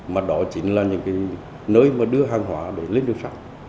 mà đó chính là những cái nơi mà đưa hàng hóa để lên đường sắt